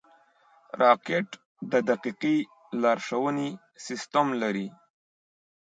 راکټ د دقیقې لارښونې سیسټم لري